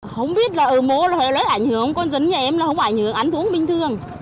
không biết là ở mô là lấy ảnh hưởng con dân nhà em là không ảnh hưởng án thú bình thường